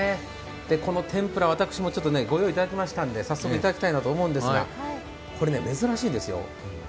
この天ぷら、私もご用意いただきましたので、早速いただきたいと思いますが、これね、珍しいんですよ